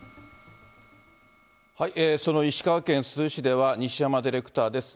その石川県珠洲市では、西山ディレクターです。